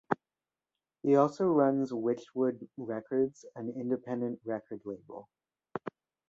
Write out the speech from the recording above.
He also runs Witchwood Records, an independent record label.